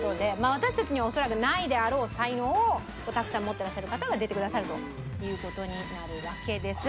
私たちには恐らくないであろう才能をたくさん持ってらっしゃる方が出てくださるという事になるわけです。